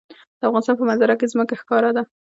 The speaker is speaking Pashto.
د افغانستان په منظره کې ځمکه ښکاره ده.